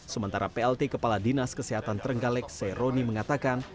sementara plt kepala dinas kesehatan terenggalek sey rony mengatakan